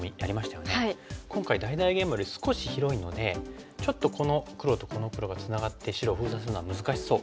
今回大々ゲイマより少し広いのでちょっとこの黒とこの黒がつながって白を封鎖するのは難しそう。